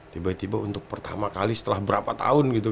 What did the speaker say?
tiba tiba untuk pertama kali setelah berapa tahun gitu